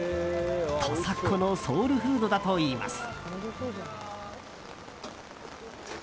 土佐っ子のソウルフードだといいます。